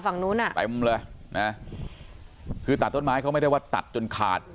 ฝั่งนู้นอ่ะเต็มเลยนะคือตัดต้นไม้เขาไม่ได้ว่าตัดจนขาด